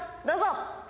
どうぞ。